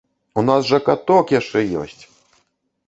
У нас жа каток яшчэ ёсць!